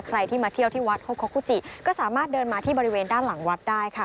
ใครที่มาเที่ยวที่วัดโฮคุจิก็สามารถเดินมาที่บริเวณด้านหลังวัดได้ค่ะ